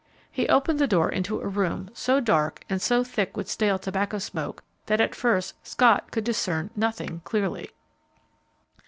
He opened the door into a room so dark and so thick with stale tobacco smoke that at first Scott could discern nothing clearly.